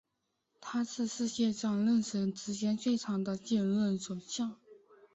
他是世界上任职时间最长的现任首相。